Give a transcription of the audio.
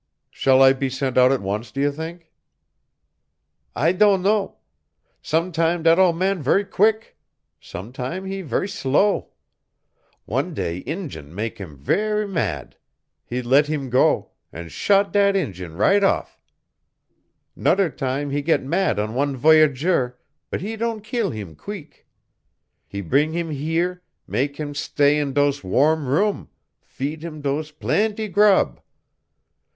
"Shall I be sent out at once, do you think?" "I don' know. Sometam' dat ole man ver' queek. Sometam' he ver' slow. One day Injun mak' heem ver' mad; he let heem go, and shot dat Injun right off. Noder tam he get mad on one voyageur, but he don' keel heem queek; he bring heem here, mak' heem stay in dose warm room, feed heem dose plaintee grub.